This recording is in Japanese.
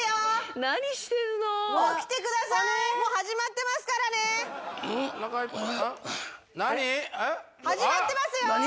始まってますよ！